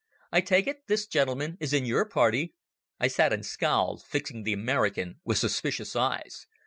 I take it this gentleman is in your party." I sat and scowled, fixing the American with suspicious eyes.